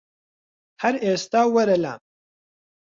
هەر ئیستا وەرە لام